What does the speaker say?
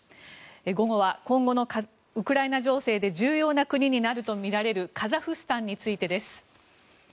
午後は、今後のウクライナ情勢で重要な国になるとみられるカザフスタンについてです。